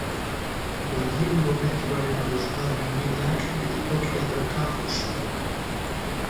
Beijingo metroaren bosgarren lineak geltokia dauka auzoan.